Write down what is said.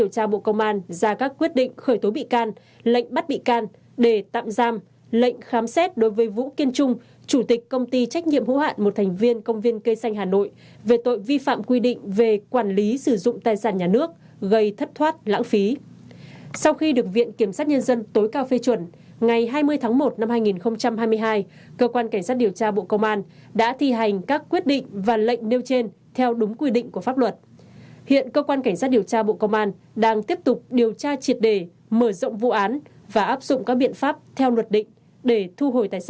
công ty trách nhiệm hiệu hạn một thành viên công viên cây xanh hà nội đã có hành vi vi phạm trình tự thủ tục đặt hàng dịch vụ công ích quy định